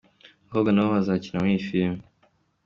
Aba bakobwa nabo bazakina muri iyi filime.